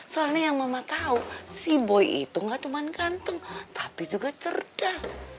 soalnya yang mama tahu si boy itu gak cuma kantung tapi juga cerdas